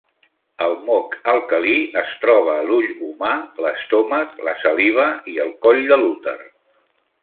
El moc alcalí es troba a l'ull humà, l'estómac, la saliva i el coll de l'úter.